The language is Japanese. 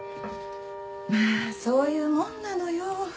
まぁそういうもんなのよ。